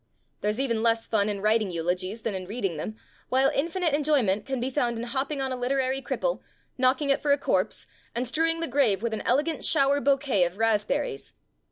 There's even less fun in writing eulogies than in reading them, while infinite enjoyment can be found in hopping on a literary cripple, knocking it for a corpse, and strewing the grave with an elegant shower bouquet of raspberries.